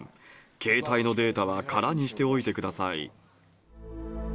携帯のデータは空にしておいてください。